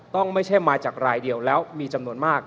ไม่ใช่มาจากรายเดียวแล้วมีจำนวนมาก